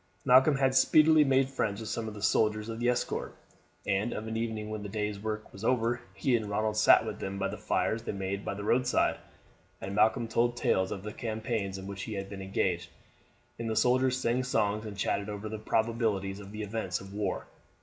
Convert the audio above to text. Malcolm had speedily made friends with some of the soldiers of the escort, and of an evening when the day's work was over he and Ronald sat with them by the fires they made by the roadside, and Malcolm told tales of the campaigns in which he had been engaged, and the soldiers sang songs and chatted over the probabilities of the events of the war.